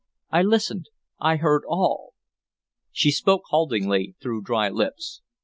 "I listened. I heard all." She spoke haltingly, through dry lips.